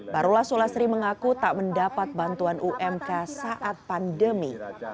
barulah sulasri mengaku tak mendapat bantuan umk saat pandemi